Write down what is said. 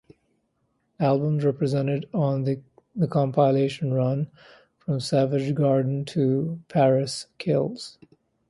Albums represented on the compilation run from "Savage Garden" to "Paris Kills".